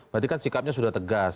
berarti kan sikapnya sudah tegas